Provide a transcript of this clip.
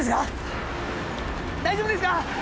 大丈夫ですか？